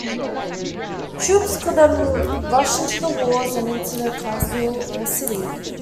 Troops could then rush onto the walls and into the castle or city.